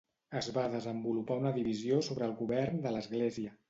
Es va desenvolupar una divisió sobre el govern de l'Església.